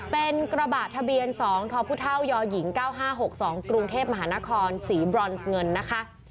เป็นกระบะทะเบียน๒ทพยหญิง๙๕๖๒กรุงเทพมหานครสีบรอนซ์เงินนะคะ